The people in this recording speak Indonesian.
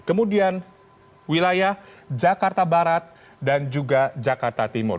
kemudian wilayah jakarta barat dan juga jakarta timur